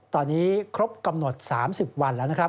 ตอนนี้ครบกำหนด๓๐วันแล้วนะครับ